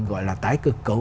gọi là tái cơ cấu